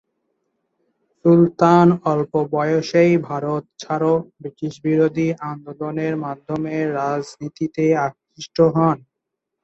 সুলতান অল্প বয়সেই ভারত ছাড় ব্রিটিশবিরোধী আন্দোলনের মাধ্যমে রাজনীতিতে আকৃষ্ট হন।